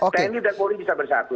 tni dan polri bisa bersatu